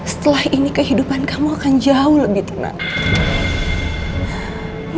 setelah ini kehidupan kamu akan jauh lebih tenang